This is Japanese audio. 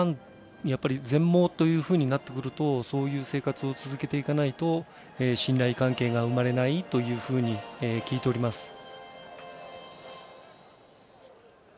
Ｂ１、全盲というふうになってくるとそういう生活を続けていかないと信頼関係が生まれないというふうに聞いております。